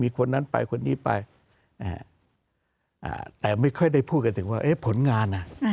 มีคนนั้นไปคนนี้ไปนะฮะอ่าแต่ไม่ค่อยได้พูดกันถึงว่าเอ๊ะผลงานอ่ะ